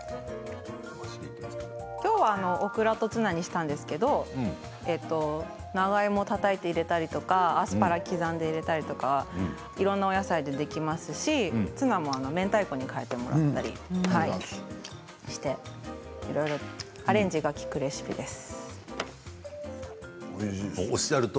きょうはオクラとツナにしたんですけれど長芋をたたいて入れたりとかアスパラ刻んで入れたりとかいろんなお野菜でできますしツナも、めんたいこに替えてもらったりしていろいろアレンジが利くレシピです。